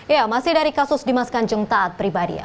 ya masih dari kasus dimas kanjeng taat pribadi ya